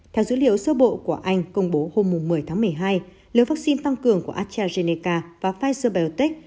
theo dữ liệu sơ bộ của anh công bố hôm một mươi tháng một mươi hai liều vaccine tăng cường của astrazeneca và pfizer biotech